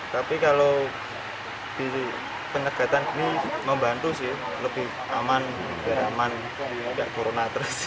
tapi kalau di penyekatan ini membantu sih lebih aman